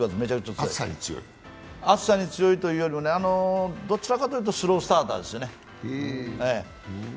暑さに強いというより、どちらかというとスロースターターですよね。